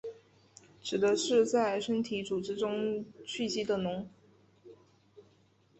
指的是在身体组织中蓄积的脓。